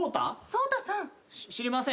草太さん？